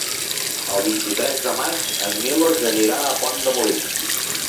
El vint-i-tres de maig en Milos anirà a Pont de Molins.